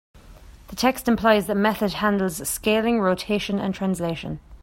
The text implies that method handles scaling, rotation, and translation.